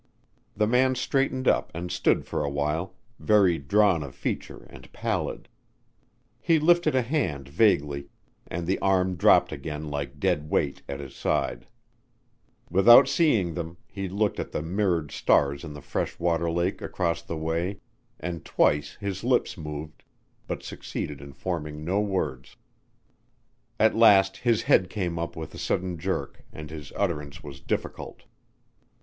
The man straightened up and stood for a while, very drawn of feature and pallid. He lifted a hand vaguely and the arm dropped again like dead weight at his side. Without seeing them, he looked at the mirrored stars in the fresh water lake across the way and twice his lips moved, but succeeded in forming no words. At last his head came up with a sudden jerk and his utterance was difficult.